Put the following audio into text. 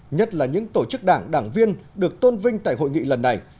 nhất là những tổ chức đảng đảng viên được tôn vinh tại hội nghị lần này